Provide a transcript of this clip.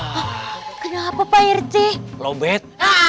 hai kenapa pak rete lo best